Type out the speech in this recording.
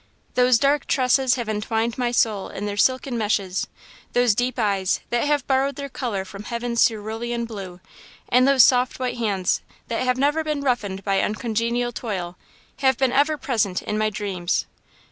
"Those dark tresses have entwined my soul in their silken meshes, those deep eyes, that have borrowed their colour from Heaven's cerulean blue, and those soft white hands, that have never been roughened by uncongenial toil, have been ever present in my dreams."